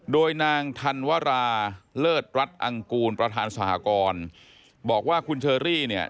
โดยนางธันวราเลิศรัฐอังกูลประธานสหกรบอกว่าคุณเชอรี่เนี่ย